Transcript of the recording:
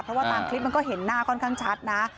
เพราะว่าตามคลิปมันก็เห็นหน้าค่อนข้างชัดนะ